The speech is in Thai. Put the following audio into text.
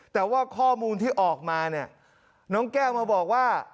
แต่ว่าข้อมูลที่ออกมาเนี่ยน้องแก้วมาบอกว่า